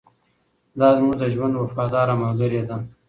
دا زموږ د ژوند وفاداره ملګرې ده.